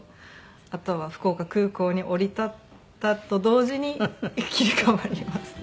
あとは福岡空港に降り立ったと同時に切り替わりますね。